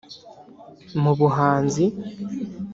) mu buhanzi